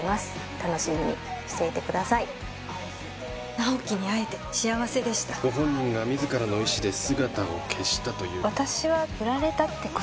楽しみにしていてください直木に会えて幸せでしたご本人が自らの意思で姿を消したという私は振られたってこと？